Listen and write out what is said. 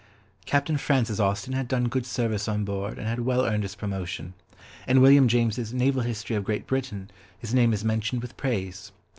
Captain Francis Austen had done good service on board and had well earned his promotion; in William James's Naval History of Great Britain, his name is mentioned with praise.